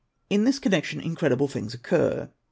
In this connection incredible things occur.